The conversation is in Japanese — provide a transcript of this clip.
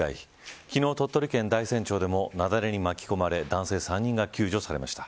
昨日、鳥取県大山町でも雪崩に巻き込まれ男性３人が救助されました。